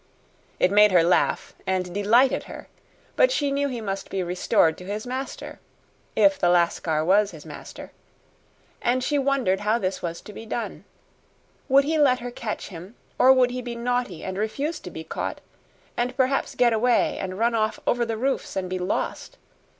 It made her laugh and delighted her; but she knew he must be restored to his master if the Lascar was his master and she wondered how this was to be done. Would he let her catch him, or would he be naughty and refuse to be caught, and perhaps get away and run off over the roofs and be lost?